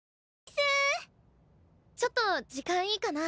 ちょっと時間いいかな。